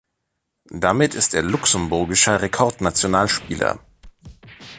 Damit ist er luxemburgischer Rekordnationalspieler.